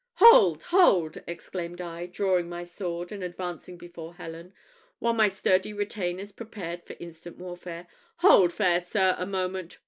"Hold, hold!" exclaimed I, drawing my sword, and advancing before Helen, while my sturdy retainers prepared for instant warfare. "Hold, fair sir, a moment.